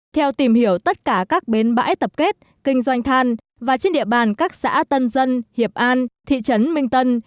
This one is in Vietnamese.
theo tìm hiểu tất cả các bến bãi tập kết kinh doanh than và trên địa bàn các xã tân dân hiệp an thị trấn minh tân